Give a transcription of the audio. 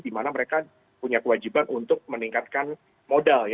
di mana mereka punya kewajiban untuk meningkatkan modal